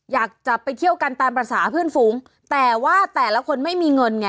อยากจะไปเที่ยวกันตามภาษาเพื่อนฝูงแต่ว่าแต่ละคนไม่มีเงินไง